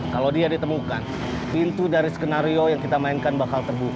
kalau dia ditemukan pintu dari skenario yang kita mainkan bakal terbuka